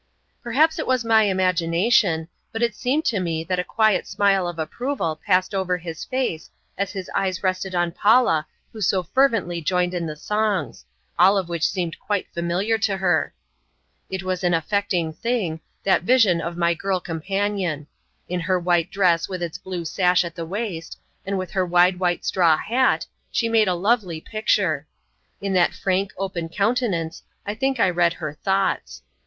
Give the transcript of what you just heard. Perhaps it was my imagination, but it seemed to me that a quiet smile of approval passed over his face as his eyes rested on Paula who so fervently joined in the songs all of which seemed quite familiar to her. It was an affecting thing, that vision of my girl companion. In her white dress with its blue sash at the waist, and with her wide white straw hat, she made a lovely picture. In that frank open countenance I think I read her thoughts.